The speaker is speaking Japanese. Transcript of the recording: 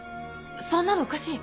そんなのおかしい。